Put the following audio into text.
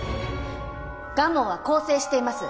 蒲生は更生しています。